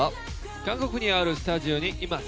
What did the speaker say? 韓国にあるスタジオにいます。